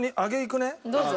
どうぞ。